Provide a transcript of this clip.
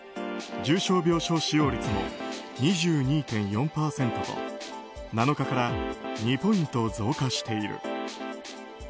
重症病床使用率も２２．４％と７日から２ポイント増加している。